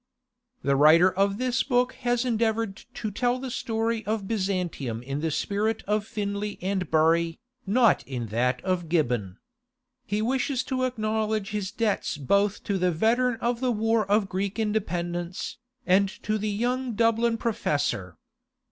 The writer of this book has endeavoured to tell the story of Byzantium in the spirit of Finlay and Bury, not in that of Gibbon. He wishes to acknowledge his debts both to the veteran of the war of Greek Independence, and to the young Dublin professor.